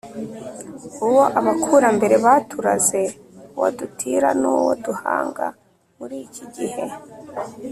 uwo abakurambere baturaze, uwo dutira n’uwo duhanga muri iki gihe.